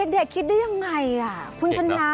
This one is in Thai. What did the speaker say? เด็กคิดได้ยังไงคุณชนะ